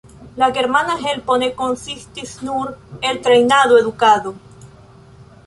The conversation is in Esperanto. La germana helpo ne konsistis nur el trejnado, edukado.